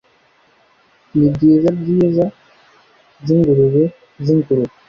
Nibyiza byiza byingurube zingurube.